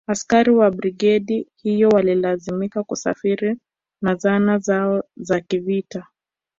Askari wa brigedi hiyo walilazimika kusafiri na zana zao za kivita